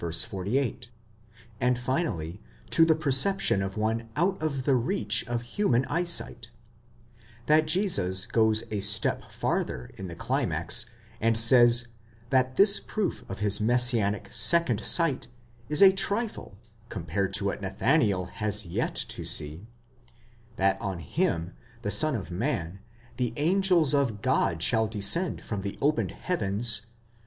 48), and finally, to the perception of one out of the reach of human eyesight. That Jesus goes a step farther in the climax, and says, that this proof of his messianic second sight is a trifle compared with what Nathanael has yet to see,—that on him, the Son of man, the angels of God shall descend from the opened heavens (v.